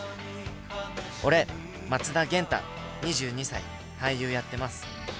俺、松田元太２２歳、俳優やってます。